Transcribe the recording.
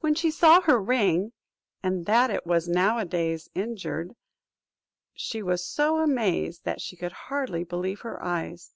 When she saw her ring, and that it was noways injured, she was so amazed that she could hardly believe her eyes.